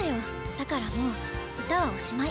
だから、もう歌はおしまい。